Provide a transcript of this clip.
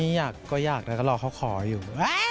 อยากก็อยากแต่ก็รอเขาขออยู่